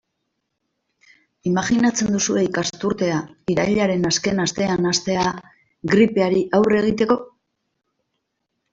Imajinatzen duzue ikasturtea irailaren azken astean hastea gripeari aurre egiteko?